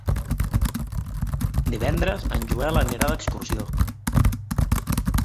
Divendres en Joel anirà d'excursió.